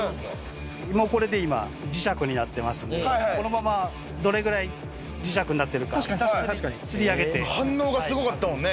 これで今磁石になってますんでこのままどれぐらい磁石になってるかつり上げて反応がすごかったもんね